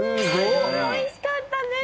おいしかったです